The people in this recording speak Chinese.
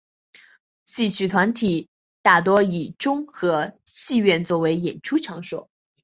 戏曲团体大多以中和戏院作为演出场所。